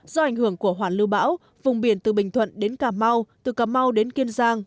do ảnh hưởng của hoàn lưu bão vùng biển từ bình thuận đến cà mau từ cà mau đến kiên giang